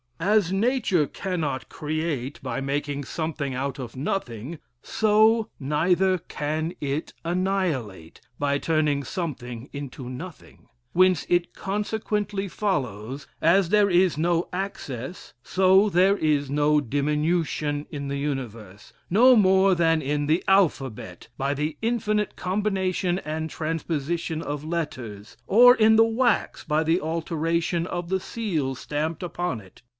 As nature cannot create by making something out of nothing, so neither can it annihilate, by turning something into nothing; whence it consequently follows, as there is no access, so there is no diminution in the universe, no more than in the alphabet, by the infinite combination and transposition of letters, or in the wax by the alteration of the seal stamped upon it.